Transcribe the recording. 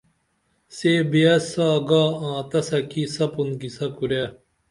سے بیاس ساں گا آں تسہ کی سپُن قصہ کُرے